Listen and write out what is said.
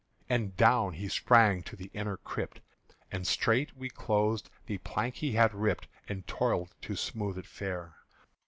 And down he sprang to the inner crypt; And straight we closed the plank he had ripp'd And toiled to smoothe it fair.